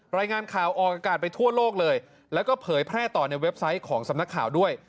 รายงานข่าวออกอากาศไปทั่วโลกเลยแล้วก็เผยแพร่ต่อในเว็บไซต์ของสำนักข่าวด้วย